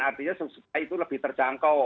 artinya supaya itu lebih terjangkau